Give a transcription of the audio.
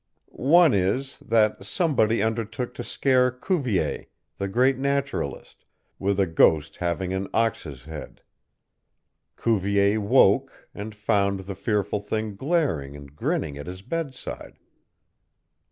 One is, that somebody undertook to scare Cuvier, the great naturalist, with a ghost having an ox's head. Cuvier woke, and found the fearful thing glaring and grinning at his bedside.